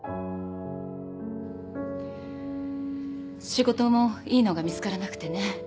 仕事もいいのが見つからなくてね。